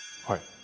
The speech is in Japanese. はい。